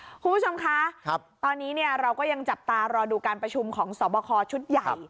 คุณผู้ชมคะตอนนี้เนี่ยเราก็ยังจับตารอดูการประชุมของสอบคอชุดใหญ่